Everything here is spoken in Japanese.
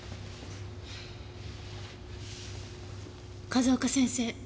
風丘先生